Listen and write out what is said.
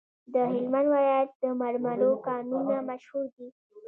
د هلمند ولایت د مرمرو کانونه مشهور دي؟